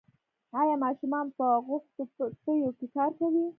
آیا ماشومان په خښتو بټیو کې کار کوي؟